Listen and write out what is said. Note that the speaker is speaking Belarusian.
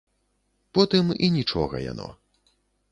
Потым і нічога яно.